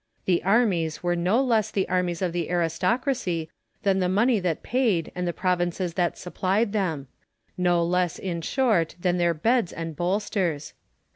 The armies were no less the armies of the aris tocracy than the money that paid and the provinces that supplied them ; no less, in short, than their beds and bolsters.